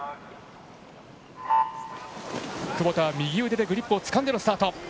窪田は右腕でグリップをつかんでスタート。